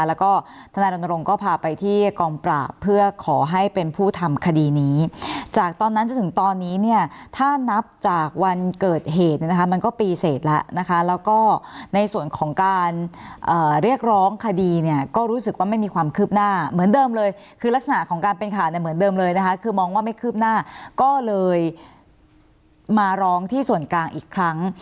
แล้วก็ทนายรณรงค์ก็พาไปที่กองปราบเพื่อขอให้เป็นผู้ทำคดีนี้จากตอนนั้นจนถึงตอนนี้เนี่ยถ้านับจากวันเกิดเหตุเนี่ยนะคะมันก็ปีเสร็จแล้วนะคะแล้วก็ในส่วนของการเรียกร้องคดีเนี่ยก็รู้สึกว่าไม่มีความคืบหน้าเหมือนเดิมเลยคือลักษณะของการเป็นข่าวเนี่ยเหมือนเดิมเลยนะคะคือมองว่าไม่คืบหน้าก็เลยมาร้องที่ส่วนกลางอีกครั้ง